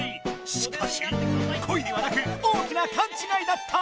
しかしこいではなく大きなかんちがいだった！